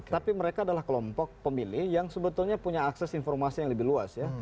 tapi mereka adalah kelompok pemilih yang sebetulnya punya akses informasi yang lebih luas ya